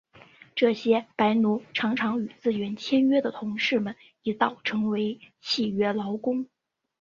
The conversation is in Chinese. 这些白奴常常与自愿签约的同事们一道成为契约劳工。